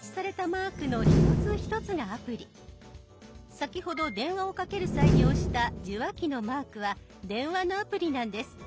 先ほど電話をかける際に押した受話器のマークは電話のアプリなんです。